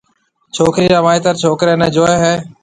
ڇوڪرِي را مائيتر ڇوڪريَ نيَ جوئيَ ھيَََ